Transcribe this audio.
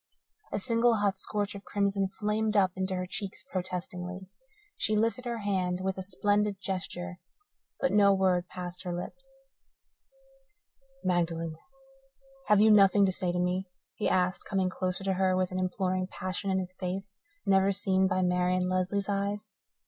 a single, hot scorch of crimson flamed up into her cheeks protestingly. She lifted her hand with a splendid gesture, but no word passed her lips. "Magdalen, have you nothing to say to me?" he asked, coming closer to her with an imploring passion in his face never seen by Marian Lesley's eyes.